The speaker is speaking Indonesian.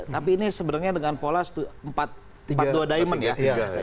tapi ini sebenarnya dengan pola empat dua diamond ya